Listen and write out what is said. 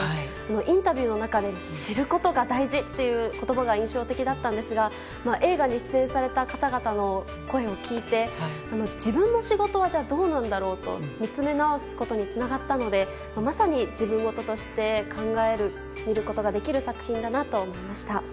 インタビューの中の知ることが大事っていう言葉が印象的だったんですが映画に出演された方々の声を聞いて自分の仕事はじゃあ、どうなんだろうと見つめ直すことにつながったのでまさに自分事として考えて見ることができる作品だなと思いました。